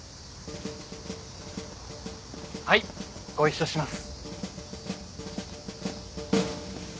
はいご一緒します。